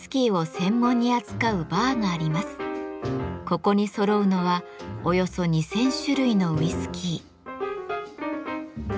ここにそろうのはおよそ２，０００種類のウイスキー。